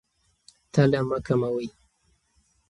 تله مه کموئ.